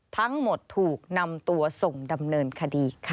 ทั้งหมดถูกนำตัวส่งดำเนินคดีค่ะ